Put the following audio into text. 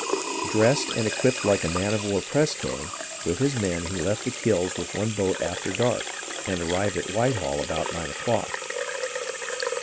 Dressed and equipped like a man of war press gang, with his men he left the Kills with one boat after dark, and arrived at Whitehall about nine o'clock.